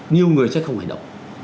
nhiều người sẽ không hài động